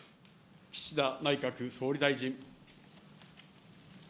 岸田内閣総理大臣。